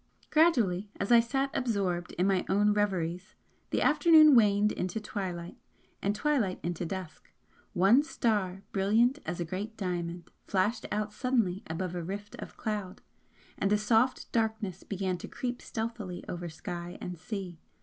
And gradually as I sat absorbed in my own reveries the afternoon waned into twilight, and twilight into dusk one star brilliant as a great diamond, flashed out suddenly above a rift of cloud and a soft darkness began to creep stealthily over sky and sea.